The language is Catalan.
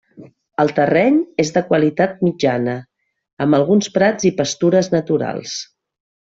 El terreny és de qualitat mitjana, amb alguns prats i pastures naturals.